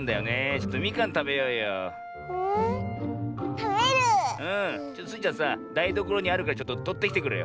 ちょっとスイちゃんさだいどころにあるからちょっととってきてくれよ。